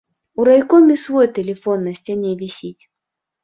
У райкоме свой тэлефон на сцяне вісіць.